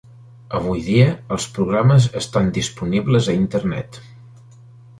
Avui dia, els programes estan disponibles a internet.